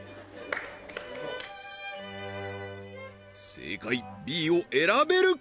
正解Ｂを選べるか？